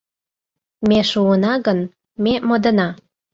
Ме шуына гын, ме модына.